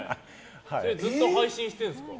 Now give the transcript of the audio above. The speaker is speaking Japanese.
それずっと配信してるんですか。